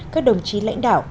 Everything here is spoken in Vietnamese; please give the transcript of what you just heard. các đồng chí lãnh đạo